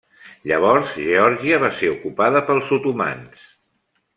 Llavors Geòrgia va ser ocupada pels otomans.